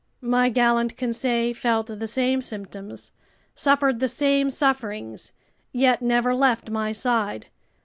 My gallant Conseil felt the same symptoms, suffered the same sufferings, yet never left my side.